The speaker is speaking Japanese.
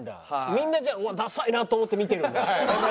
みんなじゃあ「ダサいな」と思って見てるんだ。